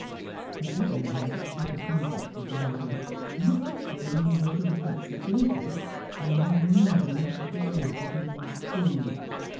Sir Everard disappointed Society, and especially the mothers of attractive daughters, by leaving England the day after his wife's funeral.